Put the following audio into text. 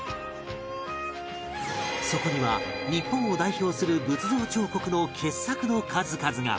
そこには日本を代表する仏像彫刻の傑作の数々が